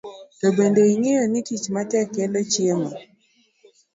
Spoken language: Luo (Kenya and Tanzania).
To bende ing'eyo ni tich matek kelo chiemo?